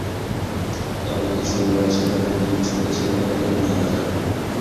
তবে কিশোর বয়সে তাদের দুই ছোট ছেলে অকালে মারা যান।